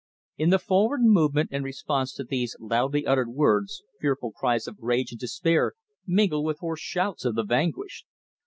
In the forward movement in response to these loudly uttered words fearful cries of rage and despair mingled with hoarse shouts of the vanquished.